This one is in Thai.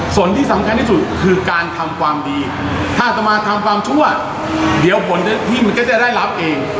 ส่วนที่สำคัญที่สุดคือการทำความดีถ้าอัตมาทำความชั่วเดี๋ยวผลพี่มันก็จะได้รับเอง